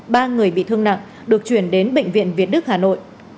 ba người bị thương nặng được chuyển đến bệnh viện việt đức hà nội